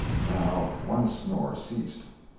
Now one snore ceased.